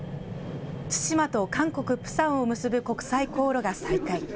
対馬と韓国・プサンを結ぶ国際航路が再開。